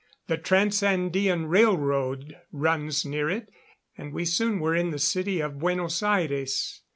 The Trans Andean Railroad runs near it, and we soon were in the city of Buenos Aires.